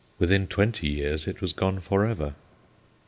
Within twenty years it was gone for ever.